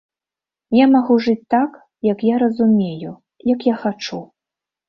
Я магу жыць так, як я разумею, як я хачу.